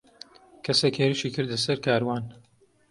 کەسێک هێرشی کردە سەر کاروان.